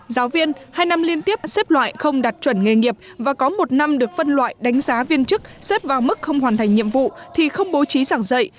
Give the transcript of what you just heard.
giáo viên hai năm liên tiếp xếp loại không đạt chuẩn nghề nghiệp và có một năm được phân loại đánh giá viên chức xếp vào mức không hoàn thành nhiệm vụ thì không bố trí giảng dạy